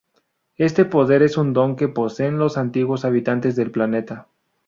Este poder es un don que poseen los antiguos habitantes del planeta.